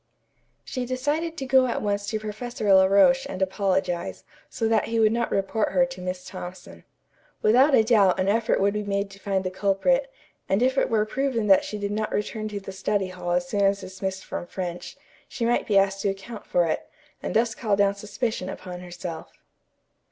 She decided to go at once to Professor La Roche and apologize, so that he would not report her to Miss Thompson. Without a doubt an effort would be made to find the culprit, and if it were proven that she did not return to the study hall as soon as dismissed from French, she might be asked to account for it, and thus call down suspicion upon herself.